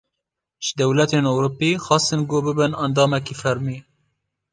Ji dewletên Ewropî, xwestin ku bibin endamekî fermî